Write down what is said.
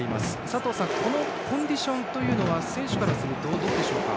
佐藤さん、このコンディションは選手からするとどうでしょうか？